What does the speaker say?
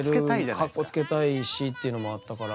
かっこつけたいしっていうのもあったから。